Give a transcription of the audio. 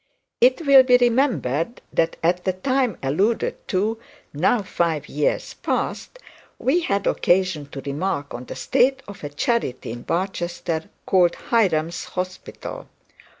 'It will be remembered that at the time alluded to, now five years past, we had occasion to remark on the state of a charity at Barchester called Hiram's Hospital.